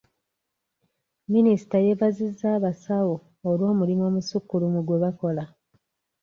Minisita yeebazizza abasawo olw'omulimu omusukkulumu gwe bakola.